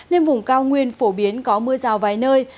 nên vùng cao nguyên phổ biến có mưa rào vài nơi